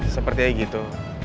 seperti aja gitu